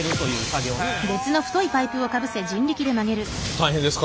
大変ですか？